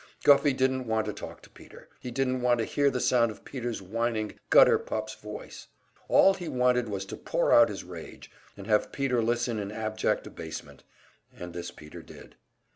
Guffey didn't want to talk to Peter, he didn't want to hear the sound of Peter's whining gutter pup's voice. All he wanted was to pour out his rage, and have Peter listen in abject abasement, and this Peter did.